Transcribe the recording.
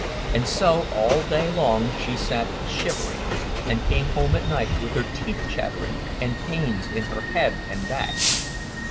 And so all day long she sat shivering, and came home at night with her teeth chattering and pains in her head and back.